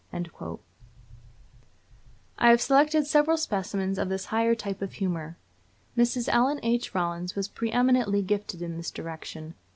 I have selected several specimens of this higher type of humor. Mrs. Ellen H. Rollins was pre eminently gifted in this direction.